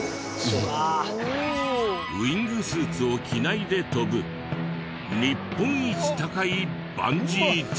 ウィングスーツを着ないで飛ぶ日本一高いバンジージャンプ。